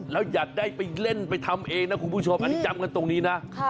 แล้วอย่าได้ไปเล่นไปทำเองนะคุณผู้ชมอันนี้จำกันตรงนี้นะ